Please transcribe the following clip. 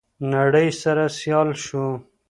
نړۍ سره سيال شو.